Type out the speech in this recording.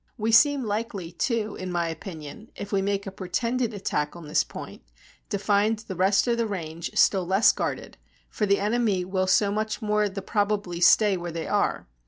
We seem likely, too, in my opinion, if we make a pretended attack on this point, to find the rest of the range still less guarded; for the enemy will so much the more probably stay where they are.